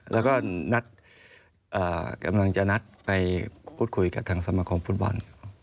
แล้วก็นัดกำลังจะนัดไปพูดคุยกับทางสมาคมฟุตบอล